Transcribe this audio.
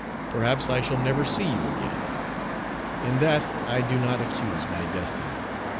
Perhaps I shall never see you again. In that I do not accuse my destiny.